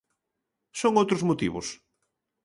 ¿Son outros motivos?